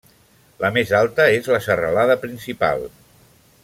La més alta és la serralada principal.